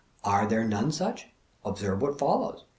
Are there none such? Observe what follows.